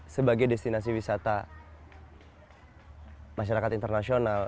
sebagai destinasi wisata masyarakat internasional